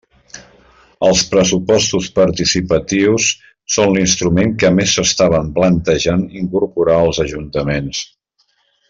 Els pressupostos participatius són l'instrument que més s'estaven plantejant incorporar els ajuntaments.